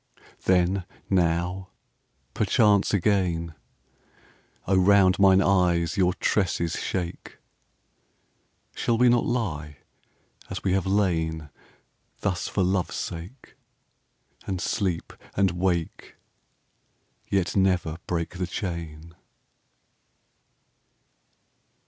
Then, now, perchance again!... O round mine eyes your tresses shake! Shall we not lie as we have lain Thus for Love's sake, And sleep, and wake, yet never break the chain?